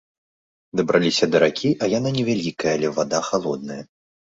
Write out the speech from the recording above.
Дабраліся да ракі, а яна не вялікая, але вада халодная.